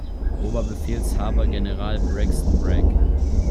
Oberbefehlshaber: General Braxton Bragg.